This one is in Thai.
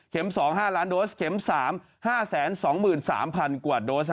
๒๕ล้านโดสเข็ม๓๕๒๓๐๐๐กว่าโดส